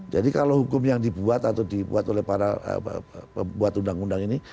jadi kalau hukum yang dibuat atau dibuat oleh para pembuat undang undang ini